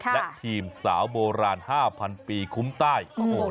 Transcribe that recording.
และทีมสาวโบราณ๕๐๐ปีคุ้มใต้